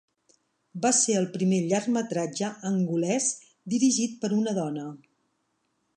Va ser el primer llargmetratge angolès dirigit per una dona.